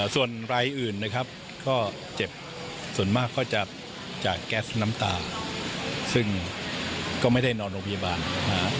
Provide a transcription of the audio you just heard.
ส่วนรายอื่นนะครับก็เจ็บส่วนมากก็จะจากแก๊สน้ำตาซึ่งก็ไม่ได้นอนโรงพยาบาลนะฮะ